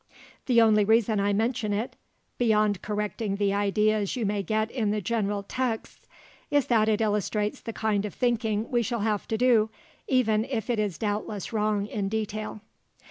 The only reason I mention it beyond correcting the ideas you may get in the general texts is that it illustrates the kind of thinking we shall have to do, even if it is doubtless wrong in detail.